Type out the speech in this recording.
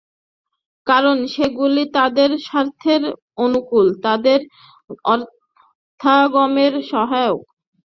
কারণ সেগুলি তাদেরই স্বার্থের অনুকূল, তাদেরই অর্থাগমের সহায়ক।